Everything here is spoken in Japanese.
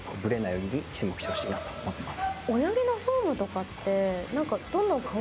泳ぎに注目してほしいなと思ってます。